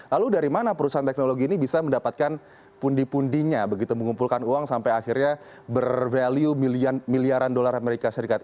lalu dari mana perusahaan teknologi ini bisa mendapatkan pundi pundinya begitu mengumpulkan uang sampai akhirnya bervalue miliaran dolar amerika serikat